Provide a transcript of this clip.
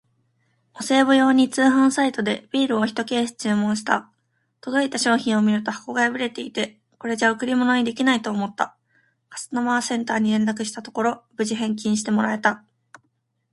お歳暮用に通販サイトでビールをひとケース注文した。届いた商品を見ると箱が破れていて、これじゃ贈り物にできないと思った。カスタマーセンターに連絡したところ、無事返金してもらえた！